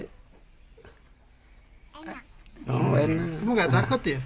kamu nggak takut ya